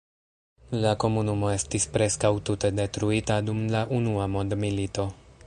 La komunumo estis preskaŭ tute detruita dum la Unua mondmilito.